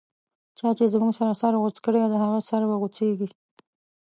چا چی زموږه سر غوڅ کړی، د هغه سر به غو څیږی